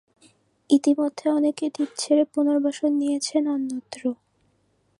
ইতিমধ্যে অনেকে দ্বীপ ছেড়ে পুনর্বাসন নিয়েছেন অন্যত্র।